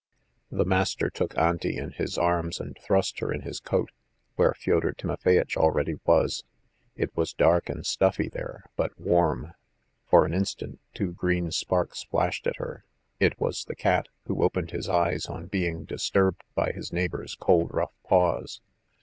The master took Auntie in his arms and thrust her in his coat, where Fyodor Timofeyirch already was. It was dark and stuffy there, but warm. For an instant two green sparks flashed at her; it was the cat, who opened his eyes on being disturbed by his neighbour's cold rough paws.